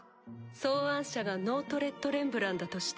創案者がノートレット・レンブランだとしても？